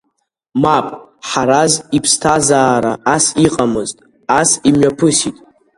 Мап, Ҳараз иԥсҭазаара ас иҟамызт, ас имҩаԥымсит.